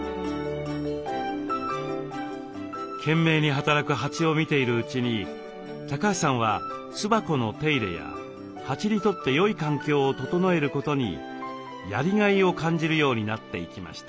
懸命に働く蜂を見ているうちに橋さんは巣箱の手入れや蜂にとってよい環境を整えることにやりがいを感じるようになっていきました。